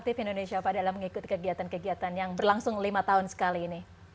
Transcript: seberapa aktif indonesia apa dalam mengikuti kegiatan kegiatan yang berlangsung lima tahun sekali ini